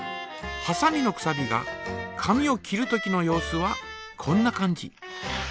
はさみのくさびが紙を切るときの様子はこんな感じ。